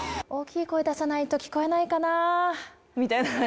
大きい声出さないと聞こえないかな、みたいな。